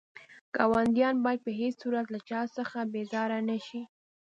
ګاونډيان بايد په هيڅ صورت له چا څخه بيزاره نه شئ.